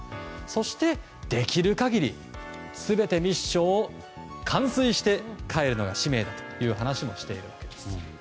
そして、できる限り全てミッションを完遂して帰るのが使命だと話をしているわけです。